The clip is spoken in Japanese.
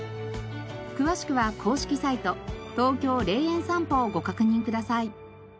詳しくは公式サイト「ＴＯＫＹＯ霊園さんぽ」をご確認ください。